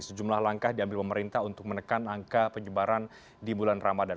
sejumlah langkah diambil pemerintah untuk menekan angka penyebaran di bulan ramadan